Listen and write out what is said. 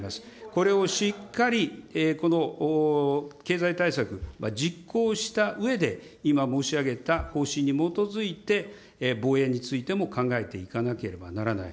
これをしっかり、この経済対策、実行したうえで、今申し上げた方針に基づいて、防衛についても考えていかなければならない。